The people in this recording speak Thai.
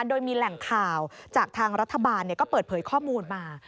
โดยมีแหล่งข่าวจากทางรัฐบาลก็เปิดเผยข้อมูลมา